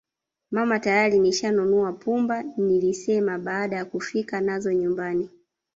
Mama tayari nishanunua pumba nilisema baada ya kufika nazo nyumbani